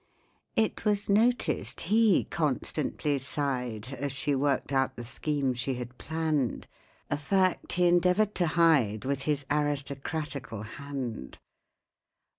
It was noticed he constantly sighed As she worked out the scheme she had planned, A fact he endeavoured to hide With his aristocratical hand.